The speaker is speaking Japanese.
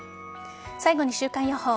最後に週間予報。